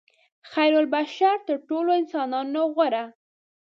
خیرالبشر تر ټولو انسانانو غوره.